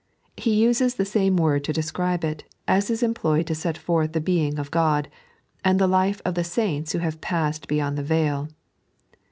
He uses the aame word to describe it as is employed to set forth the Being of God and the Life of the Saints who have passed beyond the vail.